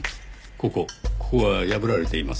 ここが破られています。